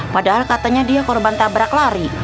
padahal katanya dia korban tabrak lari